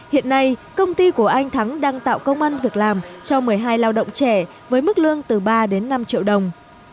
hiện nay công ty của anh thắng đang tạo công an việc làm cho một mươi hai lao động trẻ với mức lương từ ba đến năm triệu đồng